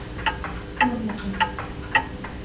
Сорлыкым